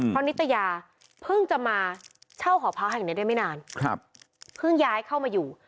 เพราะนิตยาเพิ่งจะมาเช่าหอพักแห่งนี้ได้ไม่นานเพิ่งย้ายเข้ามาอยู่